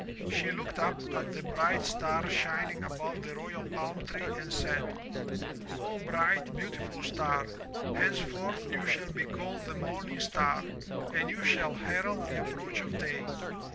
She looked up at the bright star shining above the royal palm tree and said, 'O, bright, beau tiful star, henceforth you shall be called the morning star and you shall herald the approach of day.